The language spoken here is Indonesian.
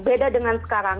beda dengan sekarang